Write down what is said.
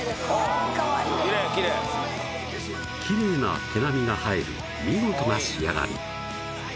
きれいきれいきれいな毛並みが映える見事な仕上がり